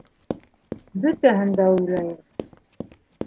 Бөтәһен дә уйлайым.